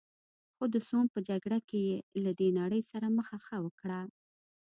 خو د سوم په جګړه کې یې له دې نړۍ سره مخه ښه وکړه.